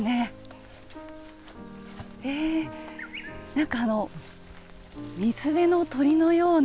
なんかあの水辺の鳥のような。